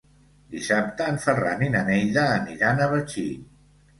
Dissabte en Ferran i na Neida aniran a Betxí.